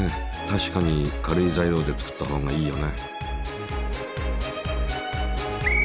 確かに軽い材料で作ったほうがいいよね。